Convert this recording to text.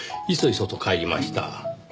いそいそと帰りました。